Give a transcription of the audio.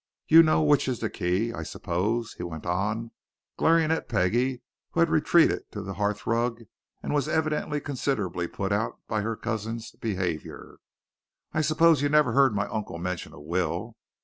"You know which is the key, I suppose," he went on, glaring at Peggie, who had retreated to the hearthrug and was evidently considerably put out by her cousin's behaviour. "I suppose you never heard my uncle mention a will?